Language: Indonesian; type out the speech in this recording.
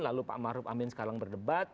lalu pak maruf amin sekarang berdebat